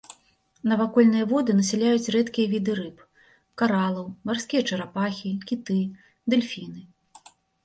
Навакольныя воды насяляюць рэдкія віды рыб, каралаў, марскія чарапахі, кіты, дэльфіны.